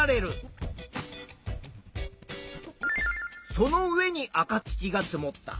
その上に赤土が積もった。